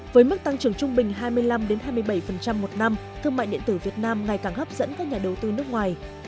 với mức tăng trưởng trung bình hai mươi năm hai mươi bảy một năm thương mại điện tử việt nam ngày càng hấp dẫn các nhà đầu tư nước ngoài